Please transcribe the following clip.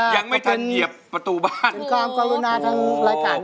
ยังไม่ทันเหยียบประตูบ้านโอ้โฮจนกล้องกลุ่นหน้าทางรายการ